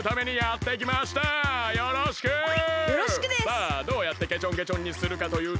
さあどうやってけちょんけちょんにするかというと。